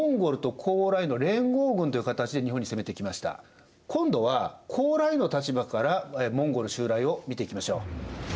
ところで今度は高麗の立場からモンゴル襲来を見ていきましょう。